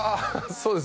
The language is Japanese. そうです